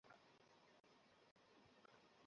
একটু অগ্রসর হয়ে আবার সমতল পথ শুরু হয়।